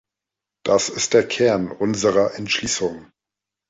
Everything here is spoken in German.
Das ist der Kern unserer Entschließung.